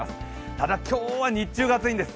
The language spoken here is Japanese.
ただ、今日は日中が暑いんです。